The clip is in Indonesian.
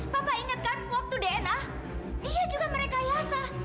papa ingatkan waktu dna dia juga merekayasa